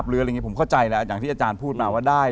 หรืออะไรอย่างนี้ผมเข้าใจแล้วอย่างที่อาจารย์พูดมาว่าได้